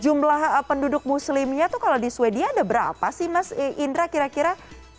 jumlah penduduk muslimnya tuh kalau di sweden ada berapa sih mas indra kira kira